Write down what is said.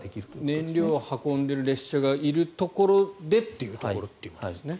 燃料を運んでいる列車がいるところでということですね。